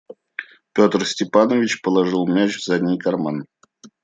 Петр Степанович положил мяч в задний карман.